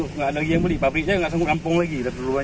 ini memang tidak ada yang beli pabriknya tidak sanggup rampung lagi